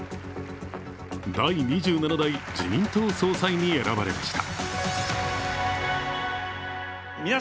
第２７代自民党総裁に選ばれました。